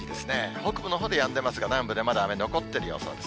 北部のほうでやんでますが、南部でまだ雨残ってる予想です。